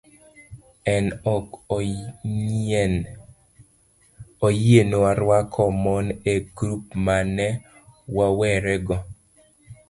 Ne ok oyienwa rwako mon e grup ma ne wawerego.